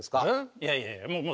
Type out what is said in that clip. いやいやいやもうねおっ！